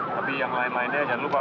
tapi yang lain lainnya jangan lupa